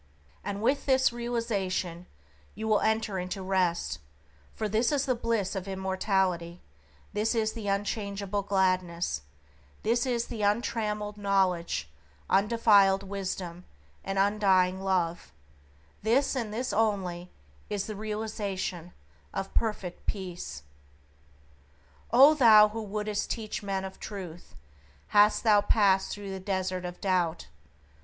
And with this realization you will enter into rest, for this is the bliss of immortality, this the unchangeable gladness, this the untrammeled knowledge, undefiled Wisdom, and undying Love; this, and this only, is the realization of Perfect Peace. O thou who wouldst teach men of Truth! Hast thou passed through the desert of doubt?